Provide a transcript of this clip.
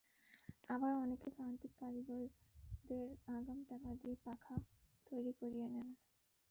আবার অনেকে প্রান্তিক কারিগরদের আগাম টাকা দিয়ে পাখা তৈরি করিয়ে নেন।